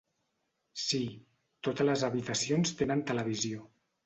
Sí, totes les habitacions tenen televisió.